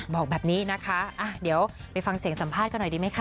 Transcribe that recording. บอกแบบนี้นะคะเดี๋ยวไปฟังเสียงสัมภาษณ์กันหน่อยดีไหมคะ